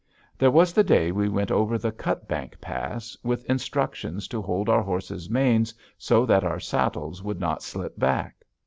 There was the day we went over the Cutbank Pass, with instructions to hold our horses' manes so that our saddles would not slip back.